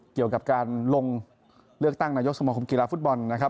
เกี่ยวกับการลงเลือกตั้งนายกสมคมกีฬาฟุตบอลนะครับ